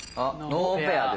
ノーペア。